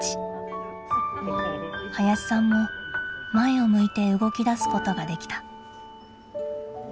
林さんも前を向いて動きだすことができた。